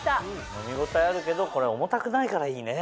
飲み応えあるけどこれは重たくないからいいね。